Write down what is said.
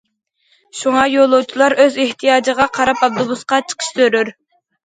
شۇڭا يولۇچىلار ئۆز ئېھتىياجىغا قاراپ ئاپتوبۇسقا چىقىشى زۆرۈر.